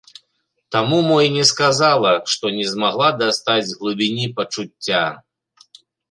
Таму мо і не сказала, што не змагла дастаць з глыбіні пачуцця.